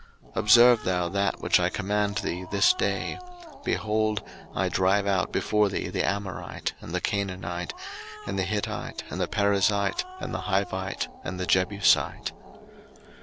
02:034:011 Observe thou that which I command thee this day: behold, I drive out before thee the Amorite, and the Canaanite, and the Hittite, and the Perizzite, and the Hivite, and the Jebusite.